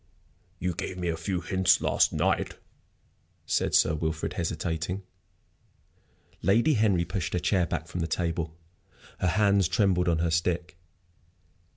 "You gave me a few hints last night," said Sir Wilfrid, hesitating. Lady Henry pushed her chair back from the table. Her hands trembled on her stick.